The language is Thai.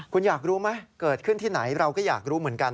คุณอยากรู้ไหมเกิดขึ้นที่ไหนเราก็อยากรู้เหมือนกัน